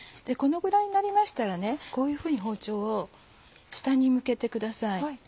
このぐらいになりましたらこういうふうに包丁を下に向けてください。